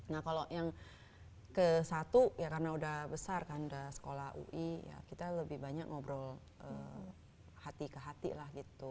nah kalau yang ke satu ya karena udah besar kan udah sekolah ui ya kita lebih banyak ngobrol hati ke hati lah gitu